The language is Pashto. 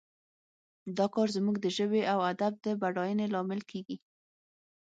دا کار زموږ د ژبې او ادب د بډاینې لامل کیږي